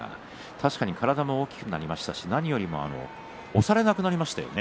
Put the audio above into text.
確かに体も大きくなりましたし何よりも押されなくなりましたね。